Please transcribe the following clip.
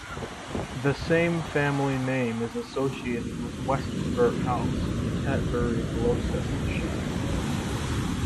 The same family name is associated with Westonbirt House near Tetbury, Gloucestershire.